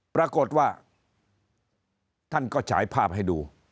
ปรากฏว่าท่านก็ฉายภาพให้ดู